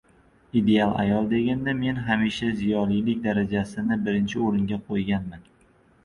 Ideal ayol deganda men hamisha ziyolilik darajasini birinchi o‘ringa qo‘yganman.